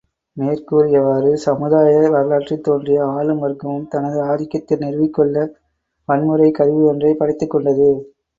மேற்கூறியவாறு சமுதாய வரலாற்றில் தோன்றிய ஆளும் வர்க்கமும், தனது ஆதிக்கத்தை நிறுவிக் கொள்ள வன்முறைக் கருவியொன்றைப் படைத்துக் கொண்டது.